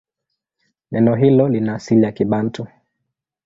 Neno hilo lina asili ya Kibantu.